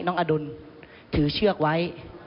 น้องอดุลถือเชือกไว้